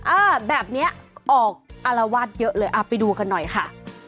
เออแบบนี้ออกอารวาสเยอะเลยอ่ะไปดูกันหน่อยค่ะ